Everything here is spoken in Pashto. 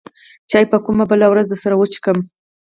چاى به کومه بله ورځ درسره وڅکم.